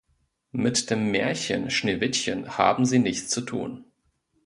Mit dem Märchen Schneewittchen haben sie nichts zu tun.